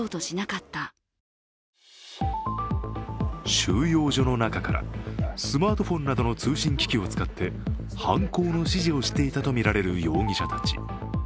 収容所の中からスマートフォンなどの通信機器を使って犯行の指示をしていたとみられる容疑者たち。